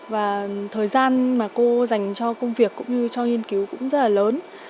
và thời gian mà cô dành cho công việc cũng như cho nghiên cứu cũng rất là lớn